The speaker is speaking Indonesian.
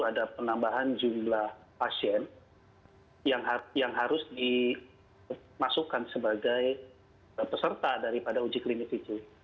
ada penambahan jumlah pasien yang harus dimasukkan sebagai peserta daripada uji klinis itu